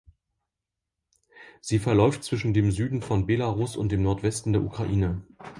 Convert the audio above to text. Sie verläuft zwischen dem Süden von Belarus und dem Nordwesten der Ukraine.